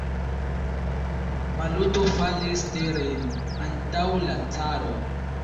Maluto falis teren antaŭ la caro.